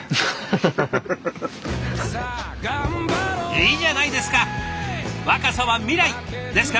いいじゃないですか！